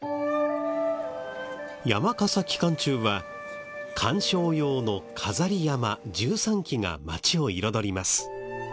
山笠期間中は観賞用の飾り山笠１３基が街を彩ります。